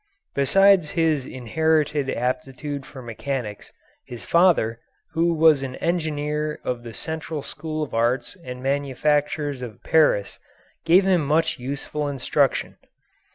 Besides his inherited aptitude for mechanics, his father, who was an engineer of the Central School of Arts and Manufactures of Paris, gave him much useful instruction.